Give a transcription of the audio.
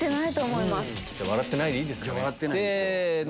じゃ笑ってないでいいですかねせの。